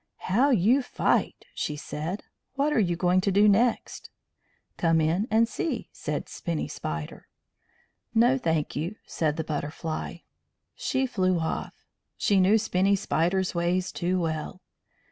"How you fight!" she said. "What are you going to do next?" "Come in and see," said Spinny Spider. "No, thank you," said the Butterfly. She flew off. She knew Spinny Spider's ways too well.